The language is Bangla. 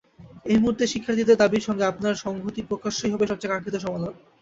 এই মুহূর্তে শিক্ষার্থীদের দাবির সঙ্গে আপনার সংহতি প্রকাশই হবে সবচেয়ে কাঙ্ক্ষিত সমাধান।